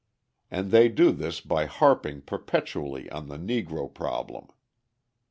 And they do this by harping perpetually on the Negro problem.